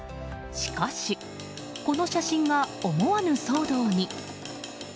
しかし、この写真が思わぬ騒動に。